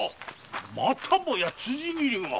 またもや辻斬りが！